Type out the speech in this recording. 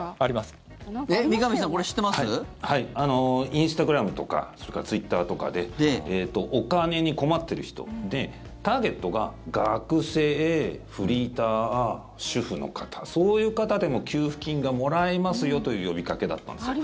インスタグラムとかそれからツイッターとかでお金に困ってる人でターゲットが学生、フリーター、主婦の方そういう方でも給付金がもらえますよという呼びかけだったんですよ。